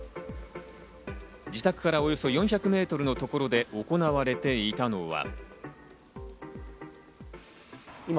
自宅からおよそ４００メートルの所で行われていたのは。